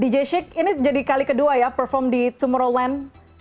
dj shick ini jadi kali kedua ya perform di tomorrowland